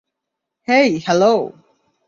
হেই, hello!